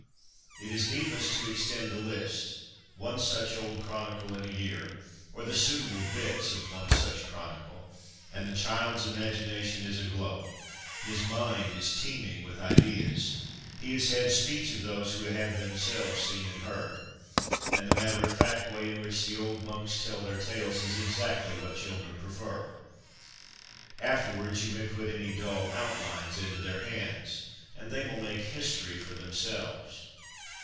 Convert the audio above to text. It is needless to extend the list; one such old chronicle in a year, or the suitable bits of one such chronicle, and the child's imagination is aglow, his mind is teeming with ideas ; he has had speech of those who have themselves seen and heard : and the matter of fact way in which the old monks tell their tales is exactly what children prefer. Afterwards, you may put any dull outlines into their hands, and they will make history for themselves.